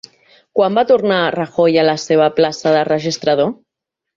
Quan va tornar Rajoy a la seva plaça de registrador?